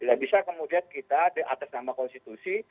tidak bisa kemudian kita atas nama konstitusi